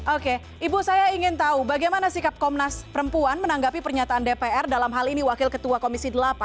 oke ibu saya ingin tahu bagaimana sikap komnas perempuan menanggapi pernyataan dpr dalam hal ini wakil ketua komisi delapan